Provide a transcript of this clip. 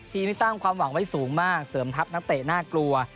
ที่สร้างความหวังไว้สูงมากเสริมทัพนักเตะน่ากลัว